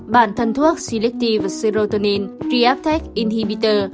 bản thân thuốc selective serotonin rehaptic inhibitor